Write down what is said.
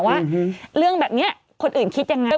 ว่าเรื่องแบบนี้คนอื่นคิดยังไง